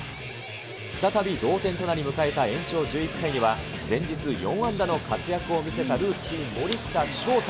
再び同点となり迎えた延長１１回には、前日、４安打の活躍を見せたルーキー、森下翔太。